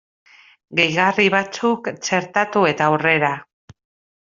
Gehigarri batzuk txertatu eta aurrera!